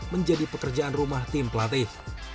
menjadi pekerjaan rumah tim pelatih